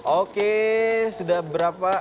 oke sudah berapa